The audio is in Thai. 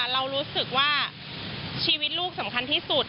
เรารู้สึกว่าชีวิตลูกสำคัญที่สุด